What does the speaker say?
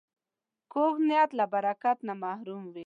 کوږ نیت له برکت نه محروم وي